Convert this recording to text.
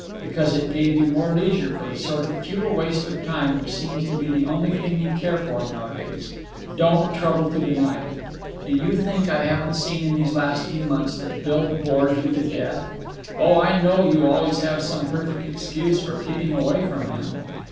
Because it gave you more leisure for the sort of futile waste of time which seems to be the only thing you care for nowadays. Don't trouble to deny it. Do you think I haven't seen in these last few months that Bill bores you to death? Oh, I know you always have some perfect excuse for keeping away from him.